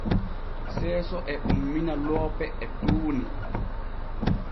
Seeso e ummina loope e tuuni.